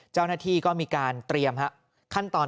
เจ้าหน้าที่ก็มีการเตรียมขั้นตอน